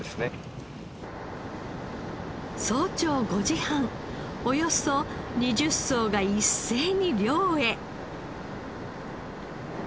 早朝５時半およそ２０艘が一斉に漁へ。